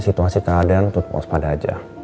situasi keadaan tutup pos pada aja